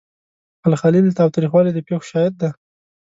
الخلیل د تاوتریخوالي د پیښو شاهد دی.